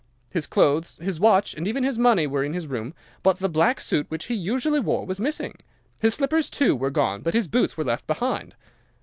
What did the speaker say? His clothes, his watch, and even his money were in his room, but the black suit which he usually wore was missing. His slippers, too, were gone, but his boots were left behind.